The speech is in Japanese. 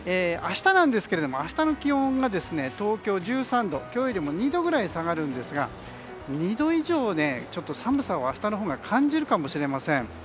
明日の気温が東京１３度と今日よりも２度ぐらい下がりますが２度以上寒さを明日のほうが感じるかもしれません。